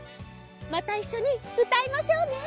またいっしょにうたいましょうね。